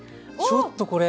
ちょっとこれ。